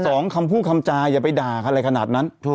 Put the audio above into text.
สองคำพูดคำจาอย่าไปด่าใครอะไรขนาดนั้น